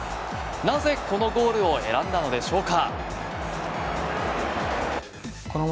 なぜこのゴールを選んだのでしょうか？